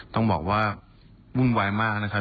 ต้องบอกว่าวุ่นวายมากนะครับ